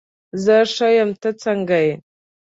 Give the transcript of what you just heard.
زه ښه یم، ته څنګه یې؟